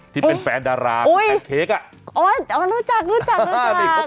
ที่เป็นแฟนดาราแพนเค้กอ่ะอ๋อรู้จักรู้จักรู้จัก